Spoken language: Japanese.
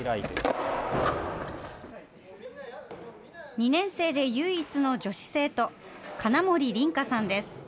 ２年生で唯一の女子生徒、金森綸花さんです。